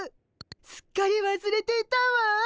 すっかりわすれていたわ。